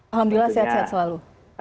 alhamdulillah sehat sehat selalu